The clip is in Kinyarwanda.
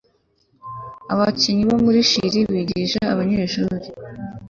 bakennye bo muri Chili bigisha abanyeshuri